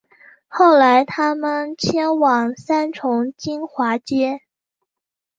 后来他们迁往三重金华街